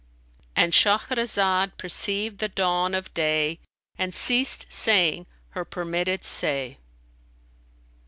"—And Shahrazad perceived the dawn of day and ceased saying her permitted say.